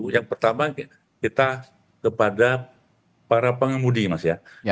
yang pertama kita kepada para pengemudi mas ya